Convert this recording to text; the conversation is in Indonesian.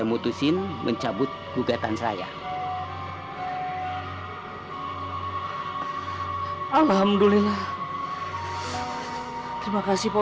tapi cintaku sama kamu itu tulus aisyah